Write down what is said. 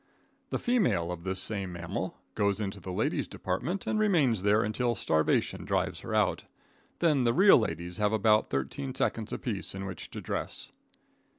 The female of this same mammal, goes into the ladies' department and remains there until starvation drives her out. Then the real ladies have about thirteen seconds apiece in which to dress.